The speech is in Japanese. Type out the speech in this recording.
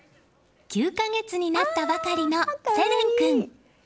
９か月になったばかりのせれん君。